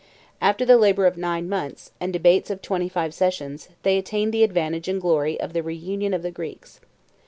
After the labor of nine months, and the debates of twenty five sessions, they attained the advantage and glory of the reunion of the Greeks.